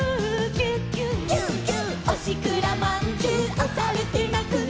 「おしくらまんじゅうおされてなくな」